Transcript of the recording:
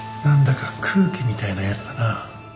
何だか空気みたいなやつだな。